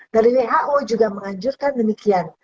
dari who juga menganjurkan demikian